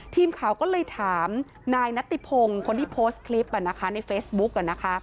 ทีมข่าวก็เลยถามนายนัตติพงศ์คนที่โพสต์คลิปในเฟซบุ๊ก